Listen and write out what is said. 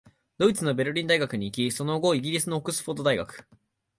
ドイツのベルリン大学に行き、その後、イギリスのオックスフォード大学、